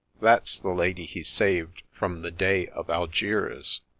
(That 's the Lady he saved from the Dey of Algiers.)